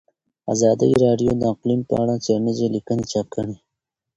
ازادي راډیو د اقلیم په اړه څېړنیزې لیکنې چاپ کړي.